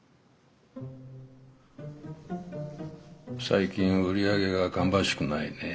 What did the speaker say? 最近売り上げが芳しくないね。